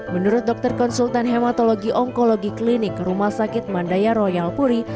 menurut dokter konsultan hematologi onkologi klinik rumah sakit mandaya royal puri